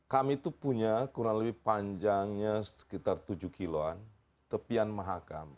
kami tuh punya kurang lebih panjangnya sekitar tujuh kilo an tepian mahakam